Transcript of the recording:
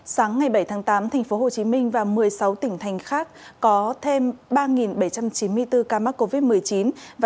sáng ngày bảy tháng tám tp hcm và một mươi sáu tỉnh thành khác có thêm ba bảy trăm chín mươi bốn ca mắc covid một mươi chín